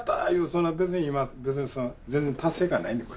そんな別に今その全然達成感ないねん